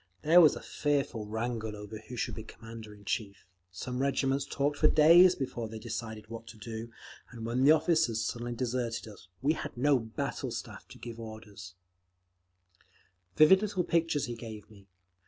There was a fearful wrangle over who should be Commander in chief; some regiments talked for days before they decided what to do; and when the officers suddenly deserted us, we had no battle staff to give orders…." Vivid little pictures he gave me.